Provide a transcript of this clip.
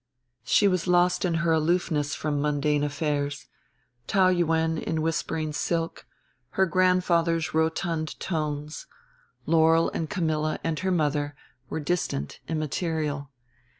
She was lost in her aloofness from mundane affairs: Taou Yuen in whispering silk, her grandfather's rotund tones, Laurel and Camilla and her mother, were distant, immaterial.